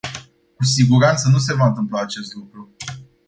Cu siguranță nu se va întâmpla acest lucru.